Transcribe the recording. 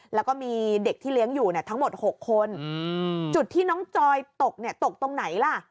แล้วก็มีเด็กที่เลี้ยงอยู่เนี่ยทั้งหมด๖คนจุดที่น้องจอยตกเนี่ยตกตรงไหนล่ะ